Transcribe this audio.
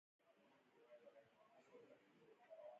ستړی مه شې